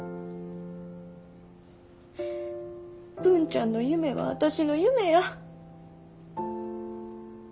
文ちゃんの夢は私の夢や。